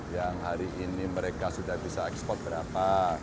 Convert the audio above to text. yang hari ini mereka sudah bisa ekspor berapa